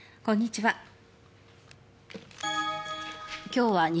こんにちは。